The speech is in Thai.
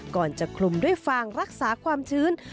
ก่อนจะคลุมด้วยฟางรักษาความชื้น